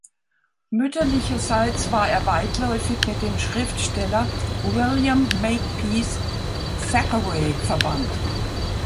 Mütterlicherseits war er weitläufig mit dem Schriftsteller William Makepeace Thackeray verwandt.